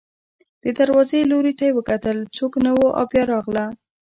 د دروازې لوري ته یې وکتل، څوک نه و او بیا راغله.